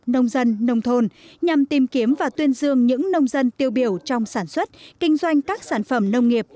nông dân nông thôn nhằm tìm kiếm và tuyên dương những nông dân tiêu biểu trong sản xuất kinh doanh các sản phẩm nông nghiệp